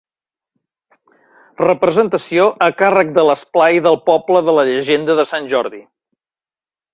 Representació a càrrec de l'esplai del poble de la llegenda de Sant Jordi.